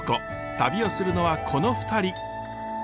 旅をするのはこの２人。